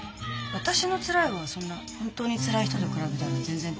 私のつらいはそんな本当につらい人と比べたら全然大したことないから。